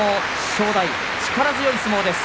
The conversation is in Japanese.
正代、力強い相撲でした。